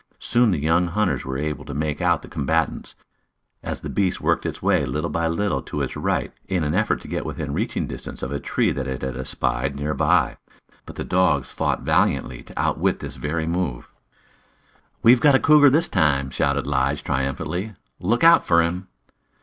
Soon the young hunters were able to make out the combatants, as the beast worked its way little by little to its right in an effort to get within reaching distance of a tree that it espied near by. But the dogs fought valiantly to outwit this very move. "We've got a cougar this time!" shouted Lige triumphantly. "Look out for him!"